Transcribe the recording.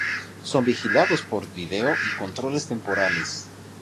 Son vigilados por video y controles temporales.